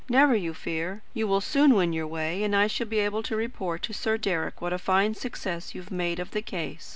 Never you fear. You will soon win your way, and I shall be able to report to Sir Deryck what a fine success you have made of the case.